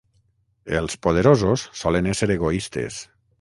Els poderosos solen ésser egoistes.